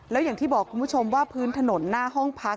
แล้วอย่างที่บอกคุณผู้ชมว่าพื้นถนนหน้าห้องพัก